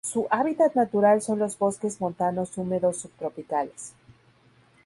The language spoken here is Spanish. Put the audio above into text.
Su hábitat natural son los bosques montanos húmedos subtropicales.